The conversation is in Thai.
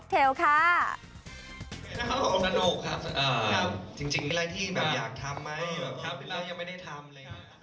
สนุกครับเอ่อจริงมีอะไรที่แบบอยากทำไหมแบบครับเรายังไม่ได้ทำอะไรอย่างนี้